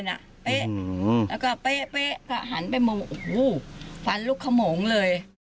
แล้วก็เป๊ะก็หันไปมองโอ้โหฟันลุกขโมงเลย